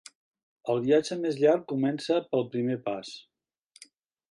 El viatge més llarg comença pel primer pas.